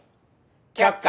却下。